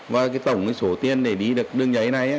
và tổng số tiền để đi được đường giấy này